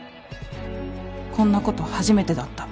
こんな事初めてだった